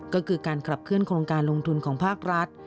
ก็คือการขับเคลื่อโครงการลงทุนของภาครัฐ